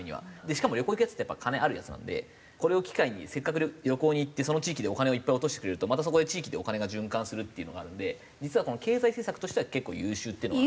しかも旅行行くヤツって金あるヤツなんでこれを機会にせっかく旅行に行ってその地域でお金をいっぱい落としてくれるとまたそこで地域でお金が循環するっていうのがあるんで実は経済政策としては結構優秀っていうのは。